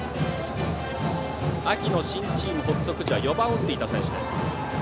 秋の新チーム発足時は４番を打っていた選手です。